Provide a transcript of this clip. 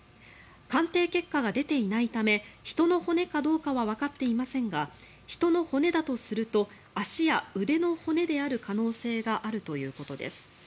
鑑定結果が出ていないため人の骨かどうかはわかっていませんが人の骨だとすると足や腕の骨である可能性があるということです。